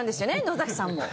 野崎さんも。